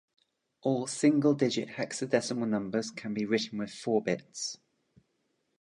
All single digit hexadecimal numbers can be written with four bits.